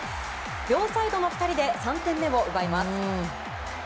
両サイドの２人で３点目を奪います。